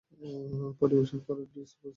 পরিবেশন করার ডিস প্রস্তুত তো?